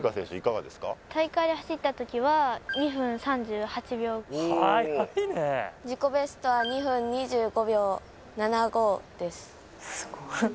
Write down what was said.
大会で走った時は２分３８秒自己ベストは２分２５秒７５です